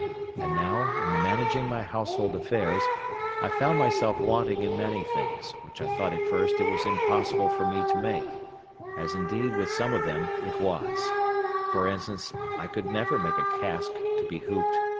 And now, in the managing my household affairs, I found myself wanting in many things, which I thought at first it was impossible for me to make; as, indeed, with some of them it was: for instance, I could never make a cask to be hooped.